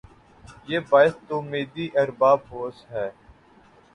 یہ باعث تومیدی ارباب ہوس ھے